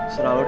serah lo deh